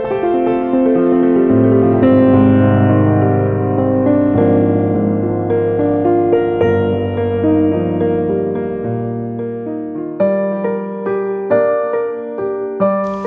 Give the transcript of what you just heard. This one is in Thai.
ขอยอำนวยผล